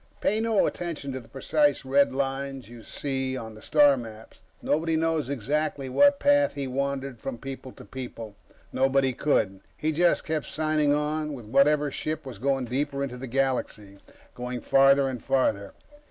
Pay no attention to the precise red lines you see on the star maps; nobody knows exactly what path he wandered from people to people. Nobody could. He just kept signing on with whatever ship was going deeper into the galaxy, going farther and farther.